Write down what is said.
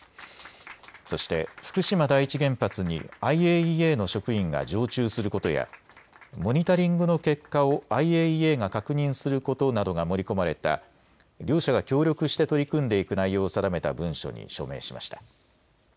そして福島第一原発にＩＡＥＡの職員が常駐することやモニタリングの結果をＩＡＥＡが確認することなどが盛り込まれた両者が協力して取り組んでいく内容を定めた文書に署名しました。